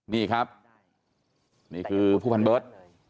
นี่ครับนี่คือผู้พันเบิร์ต